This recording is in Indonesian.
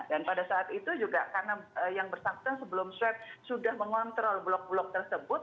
dan pada saat itu juga karena yang bersangkutan sebelum swet sudah mengontrol blok blok tersebut